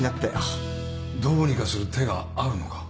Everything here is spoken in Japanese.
どうにかする手があるのか？